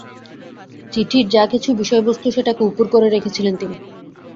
চিঠির যা কিছু বিষয়বস্তু সেটাকে উপুড় করে রেখেছিলেন তিনি।